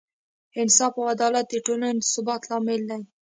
انصاف او عدالت د ټولنې د ثبات لامل دی.